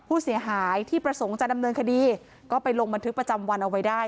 ผู้เสียหายที่ประสงค์จะดำเนินคดีก็ไปลงบันทึกประจำวันเอาไว้ได้